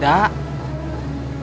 saya mah gak punya ilmunya